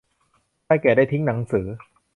ชายแก่ได้ทิ้งหนังสือ